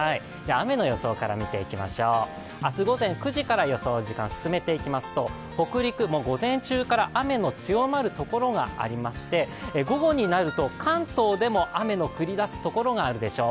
雨の予想から見ていきましょう明日午前９時から予想時間進めていきますと北陸、午前中から雨の強まるところがありまして、午後になると関東でも雨の降り出すところがあるでしょう。